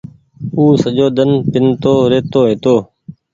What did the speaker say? او سجو ۮن پينتو رهيتو هيتو۔